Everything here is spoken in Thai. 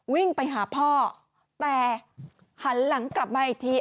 วิ่งไปหาพ่อแต่หันหลังกลับมาอีกที